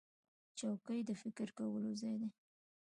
چوکۍ د فکر کولو ځای دی.